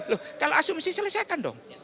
loh kalau asumsi selesaikan dong